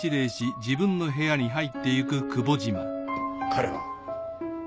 彼は？